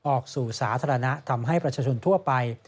ออกสู่สาธารณะทำให้ประชาชนทั่วไป